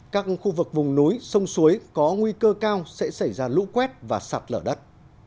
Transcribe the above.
các khu vực vùng núi sông suối có nguy cơ cao sẽ xảy ra lũ quét và sạt lở đất